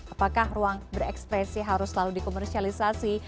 apakah ruang berekspresi harus selalu dikomersialisasi